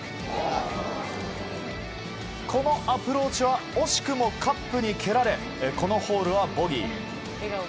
このアプローチは惜しくもカップに蹴られこのホールはボギー。